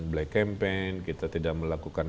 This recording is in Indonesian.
black campaign kita tidak melakukan